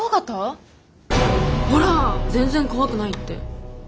ほら全然怖くないって。